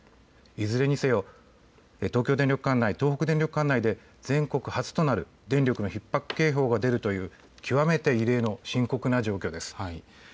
いずれにせよ東京電力管内、東北電力管内で全国初となる電力ひっ迫警報が出るという極めて異例の深刻な状況です。